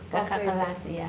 kakak kelas iya